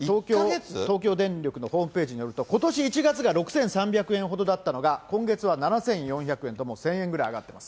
東京電力のホームページによると、ことし１月が６３００円ほどだったのが、今月は７４００円と１０００円ぐらい上がってます。